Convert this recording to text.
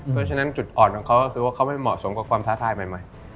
เพราะฉะนั้นจุดอ่อนของเขาก็คือว่าเขาไม่เหมาะสมกับความท้าทายใหม่